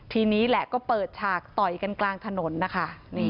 ทีนี้แหละก็เปิดฉากต่อยกันกลางถนนนะคะ